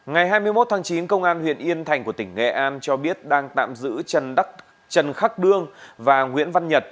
ngày hai mươi một tháng chín công an huyện yên thành của tỉnh nghệ an cho biết đang tạm giữ trần khắc đương và nguyễn văn nhật